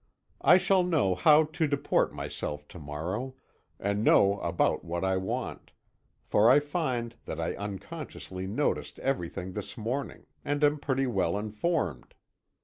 I shall know how to deport myself to morrow, and know about what I want, for I find that I unconsciously noticed everything this morning, and am pretty well informed.